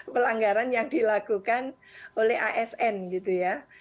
pelanggaran yang dilakukan oleh asn gitu ya